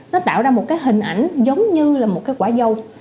nó tạo ra một hình ảnh giống như một quả dâu